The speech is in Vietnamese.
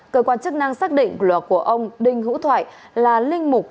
cơ quan chức năng xác định là của ông đinh hữu thoại là linh mục